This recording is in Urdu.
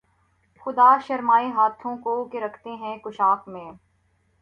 خدا شرمائے ہاتھوں کو کہ رکھتے ہیں کشاکش میں